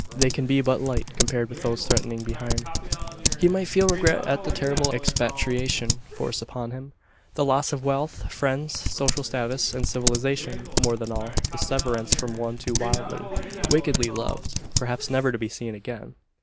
They can be but light compared with those threatening behind. He might feel regret at the terrible expatriation forced upon him the loss of wealth, friends, social status, and civilisation more than all, the severance from one too wildly, wickedly loved perhaps never to be seen again!